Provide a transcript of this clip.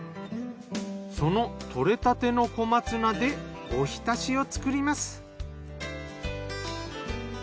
その採れたての小松菜でおひたしを作ります。